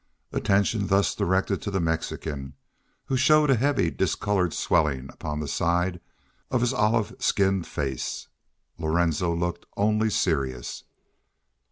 Attention thus directed to the Mexican showed a heavy discolored swelling upon the side of his olive skinned face. Lorenzo looked only serious.